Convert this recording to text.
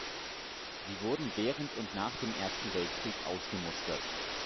Sie wurden während und nach dem Ersten Weltkrieg ausgemustert.